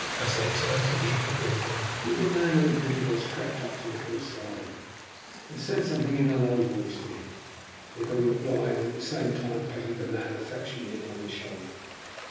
As we turned to leave the building the little man who had admitted us crept up to Nikola's side and said something in a low voice to him. Nikola replied, and at the same time patted the man affectionately upon the shoulder.